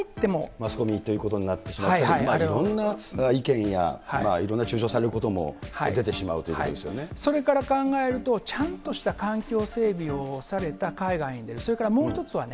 マスコミということになってしまったり、いろんな意見やいろんな中傷されることも出てしまうということでそれから考えると、ちゃんとした環境整備をされた海外でも、それからもう１つはね、